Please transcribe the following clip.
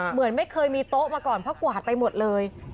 เหมือนไม่เคยมีโต๊ะมาก่อนเพราะกวาดไปหมดเลย